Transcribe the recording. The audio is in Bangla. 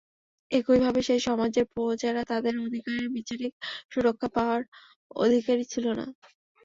একইভাবে সেই সমাজের প্রজারা তাদের অধিকারের বিচারিক সুরক্ষা পাওয়ার অধিকারী ছিল না।